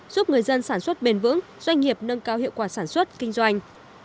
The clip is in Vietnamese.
giúp người dân sản xuất bền vững doanh nghiệp nâng cao hiệu quả sản xuất kinh doanh